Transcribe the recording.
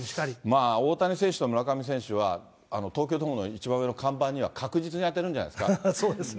まあ、大谷選手と村上選手は東京ドームの一番上の看板には確実に当てるそうですね。